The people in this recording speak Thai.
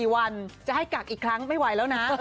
๔วันจะให้กักอีกครั้งไม่ไหวแล้วนะ